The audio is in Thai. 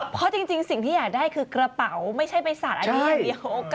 พอจริงสิ่งที่อยากได้คือกระเป๋าไม่ใช่ไปสระอันนี้เดียว